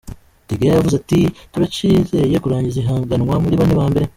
De Gea yavuze ati: "Turacizeye kurangiza ihiganwa muri bane ba mbere.